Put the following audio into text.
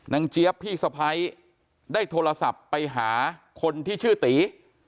เจี๊ยบพี่สะพ้ายได้โทรศัพท์ไปหาคนที่ชื่อตี